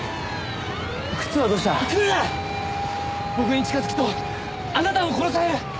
僕に近づくとあなたも殺される！